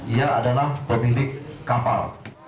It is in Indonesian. ia adalah pemilik kapal